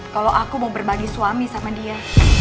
kalau aku mau berbagi suami sama dia